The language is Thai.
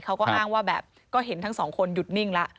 เขาก็อ้างว่าแบบก็เห็นทั้งสองคนหยุดนิ่งแล้ว